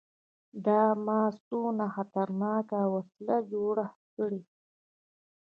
دا ما څونه خطرناکه وسله جوړه کړې.